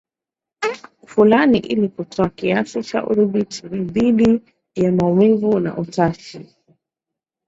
fulani ili kutoa kiasi cha udhibiti dhiti ya maumivu na utashi